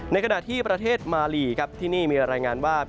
ในขณะที่ประเทศมาลีครับที่นี่มีรายงานว่า